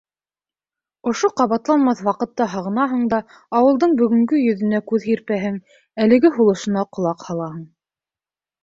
Ошо ҡабатланмаҫ ваҡытты һағынаһың да ауылдың бөгөнгө йөҙөнә күҙ һирпәһең, әлеге һулышына ҡолаҡ һалаһың.